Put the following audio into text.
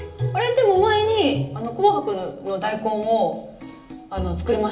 でも前に紅白のダイコンを作りましたよね？